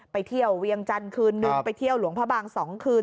ไปเที่ยวเวียงจันทร์คืนนึงไปเที่ยวหลวงพระบาง๒คืน